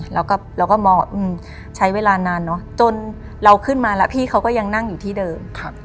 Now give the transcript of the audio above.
เราก็มองว่าใช้เวลานานเนอะจนเราขึ้นมาแล้วพี่เขาก็ยังนั่งอยู่ที่เดิม